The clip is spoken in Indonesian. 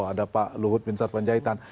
ada pak luhut minister panjaitan